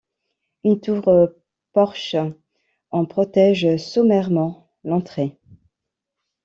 Une tour-porche en protège sommairement l'entrée.